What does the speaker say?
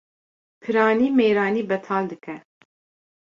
Piranî mêranî betal dike